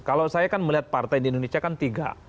kalau saya kan melihat partai di indonesia kan tiga